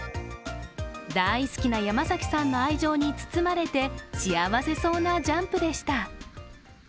大好きな山崎さんの愛情に包まれて、幸せそうなジャンプでした。